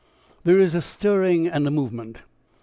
There is a stirring and a movement.